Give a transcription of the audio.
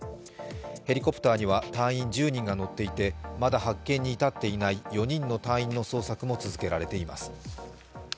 ヘリコプターには隊員１０人が乗っていてまだ発見に至っていない４人の隊員の捜索も続けられています。